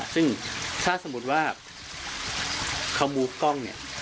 ซึ่งถ้าสมมุติว่าเขามูกล้องเนี่ย